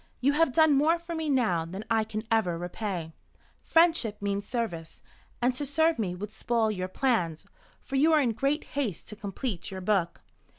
You have done more for me now than I can ever repay. Friendship means service, and to serve me would spoil your plans, for you are in great haste to complete your book."